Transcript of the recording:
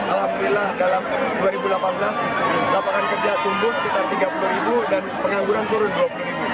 alhamdulillah dalam dua ribu delapan belas lapangan kerja tumbuh sekitar tiga puluh ribu dan pengangguran turun dua puluh ribu